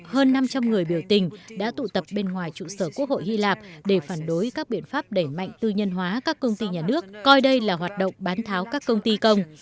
hơn năm trăm linh người biểu tình đã tụ tập bên ngoài trụ sở quốc hội hy lạp để phản đối các biện pháp đẩy mạnh tư nhân hóa các công ty nhà nước coi đây là hoạt động bán tháo các công ty công